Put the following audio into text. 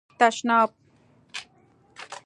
🚾 تشناب